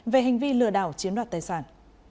về hành vi lừa đảo chiếm đoạt tài sản